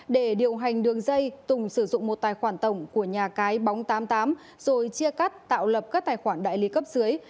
để điều hành đường dây tùng sử dụng một tài khoản tổng của nhà cái bóng tám mươi tám rồi chia cắt tạo lập các tài khoản đại lý cấp dưới